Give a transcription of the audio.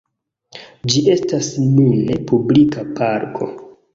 Ĝi estas nune publika parko.